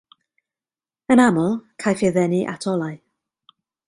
Yn aml, caiff ei ddenu at olau.